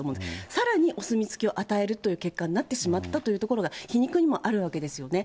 さらにお墨付きを与えるという結果になってしまったということが皮肉にもあるわけですよね。